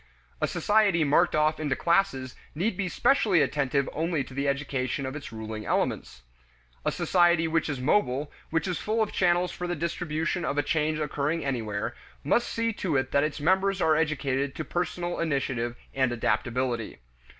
A society marked off into classes need he specially attentive only to the education of its ruling elements. A society which is mobile, which is full of channels for the distribution of a change occurring anywhere, must see to it that its members are educated to personal initiative and adaptability.